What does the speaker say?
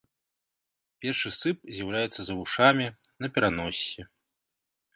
Першы сып з'яўляецца за вушамі, на пераноссі.